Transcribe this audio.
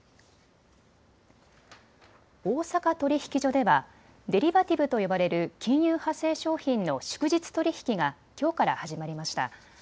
大阪取引所ではデリバティブと呼ばれる金融派生商品の祝日取引がきょうから始まりました。